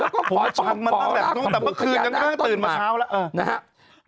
แล้วก็ปล่อยปล่อยปล่อยมาตั้งแต่เมื่อคืนจนก็ต้องตื่นมาเช้าแล้ว